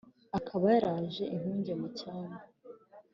akaba yaraje inkuge mu cyambu